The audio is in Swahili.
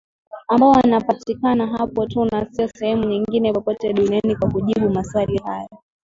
ambao wanapatikana hapo tu na sio sehemu nyingine popote duniani Kwa kujibu maswali hayo